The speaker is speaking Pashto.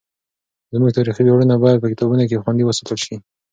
زموږ تاریخي ویاړونه باید په کتابونو کې خوندي وساتل سي.